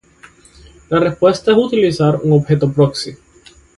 La respuesta es utilizar un objeto "proxy".